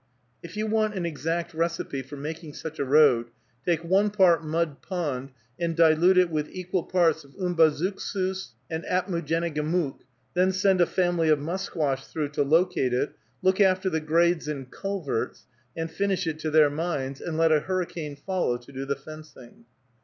If you want an exact recipe for making such a road, take one part Mud Pond, and dilute it with equal parts of Umbazookskus and Apmoojenegamook; then send a family of musquash through to locate it, look after the grades and culverts, and finish it to their minds, and let a hurricane follow to do the fencing.